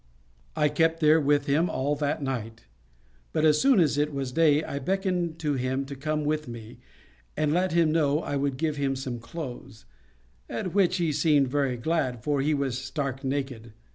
I kept there with him all that night; but as soon as it was day I beckoned to him to come with me, and let him know I would give him some clothes; at which he seemed very glad, for he was stark naked.